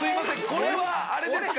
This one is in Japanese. これはアレですか？